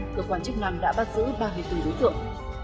cơ quan chức năng đã bắt giữ ba mươi bốn đối tượng